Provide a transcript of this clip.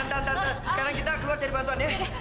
tante sekarang kita keluar cari bantuan ya